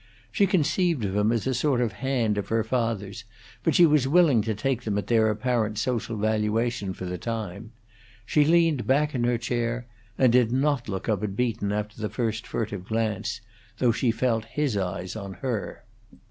She conceived of him as a sort of hand of her father's, but she was willing to take them at their apparent social valuation for the time. She leaned back in her chair, and did not look up at Beaton after the first furtive glance, though she felt his eyes on her.